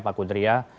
pak kudri ya